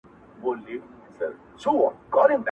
حجرې ته یم راغلې طالب جان مي پکښي نسته!!